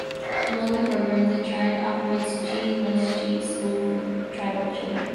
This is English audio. Among its programs, the tribe operates the Chief Leschi School for tribal children.